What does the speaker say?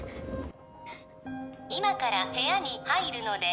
今から部屋に入るので